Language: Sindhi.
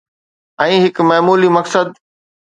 ۽ هڪ معمولي مقصد